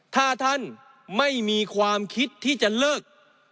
ถ้าท่านไม่มีความคิดที่จะเลิก